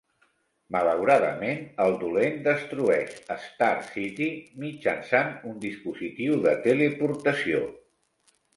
Malauradament, el dolent destrueix Star City mitjançant un dispositiu de teleportació.